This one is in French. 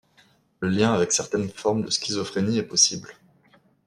Le lien avec certaines formes de schizophrénie est possible.